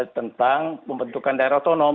tentang pembentukan daerah otonom